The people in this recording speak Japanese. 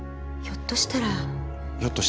ひょっとしたら？